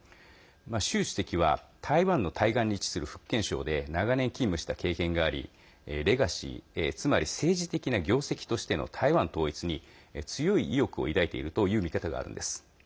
習主席は台湾の対岸に位置する福建省で長年勤務した経験がありレガシー、つまり政治的な業績としての台湾統一に強い意欲を抱いているという見方があるんです。